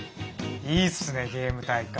いいっすねゲーム大会。